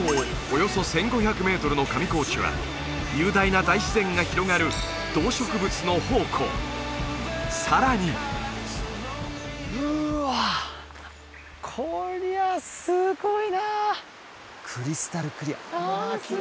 およそ１５００メートルの上高地は雄大な大自然が広がる動植物の宝庫さらにうわこりゃすごいなクリスタルクリア